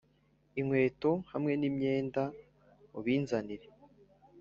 inkweto hamwe n'imyenda ubinzanire